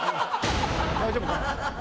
大丈夫かな。